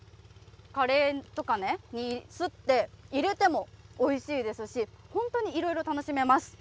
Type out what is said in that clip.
カレーとかにすって入れてもおいしいですし、本当に色々楽しめます。